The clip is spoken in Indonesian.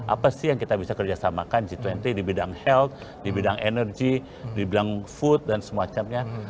apa sih yang kita bisa kerjasamakan g dua puluh di bidang health di bidang energi di bidang food dan semacamnya